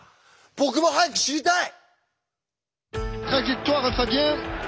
僕も早く知りたい！